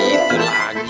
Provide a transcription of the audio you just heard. itu jangan berisik dong